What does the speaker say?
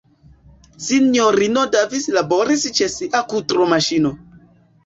Sinjorino Davis laboris ĉe sia kudromaŝino.